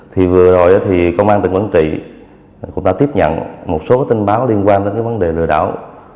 thì vừa rồi thì công an tỉnh quảng trị cũng đã tiếp nhận một số tin báo liên quan đến cái vấn đề lừa đảo